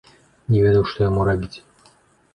Не ведаў, што яму рабіць.